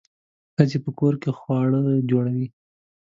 ښځې په کور کې خواړه جوړوي.